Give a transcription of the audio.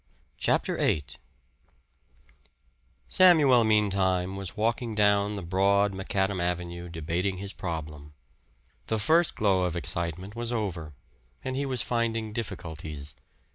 CHAPTER VIII Samuel meantime was walking down the broad macadam avenue debating his problem. The first glow of excitement was over, and he was finding difficulties.